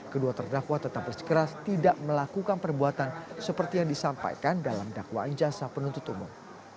kedua terdakwa tetap bersikeras tidak melakukan perbuatan seperti yang disampaikan dalam dakwaan jasa penuntut umum